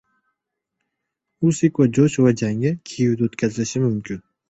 Usik va Joshua jangi Kiyevda o‘tkazilishi mumkin